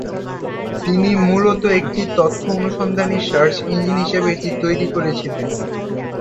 তিনি মূলত একটি তথ্য অনুসন্ধানী সার্চ ইঞ্জিন হিসেবে এটি তৈরি করেছিলেন।